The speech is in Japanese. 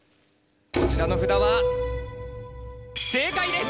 こちらの札は正解です！